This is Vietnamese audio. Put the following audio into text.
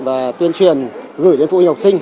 và tuyên truyền gửi đến phụ huynh học sinh